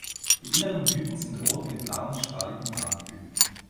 Die inneren Blüten sind rot mit blauen, strahligen Randblüten.